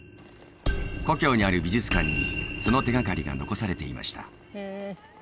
故郷にある美術館にその手がかりが残されていました